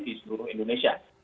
di seluruh indonesia